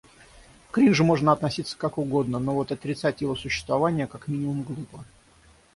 К кринжу можно относиться как угодно, но вот отрицать его существование как минимум глупо.